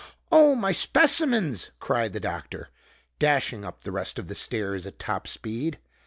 "Oh, my specimens!" cried the doctor, dashing up the rest of the stairs at top speed.